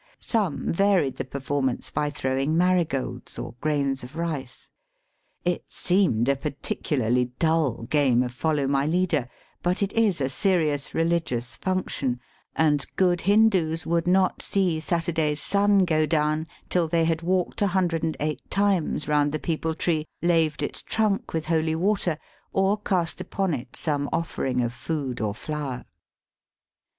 Some varied the performance by throwing marigolds or grains of rice. It seemed a particularly dull game of foUow my leader ; but it is a serious religious function, and good Hindoos would not see Saturday's sun go down till they had walked a hundred and eight times round the peepul tree, laved its trunk with holy water, or cast upon it some offering of food or flower.